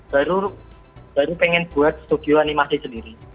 baru pengen buat studio animasi sendiri